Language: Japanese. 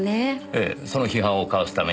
ええその批判をかわすために